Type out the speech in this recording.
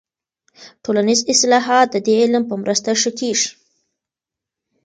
ټولنیز اصلاحات د دې علم په مرسته ښه کیږي.